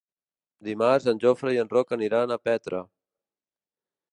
Dimarts en Jofre i en Roc aniran a Petra.